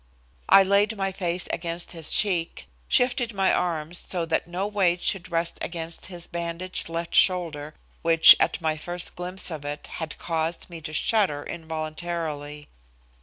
I laid my face against his cheek, shifted my arms so that no weight should rest against his bandaged left shoulder, which, at my first glimpse of it, had caused me to shudder involuntarily.